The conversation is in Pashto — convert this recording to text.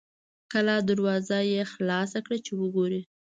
کلا دروازه یې خلاصه کړه چې وګوري.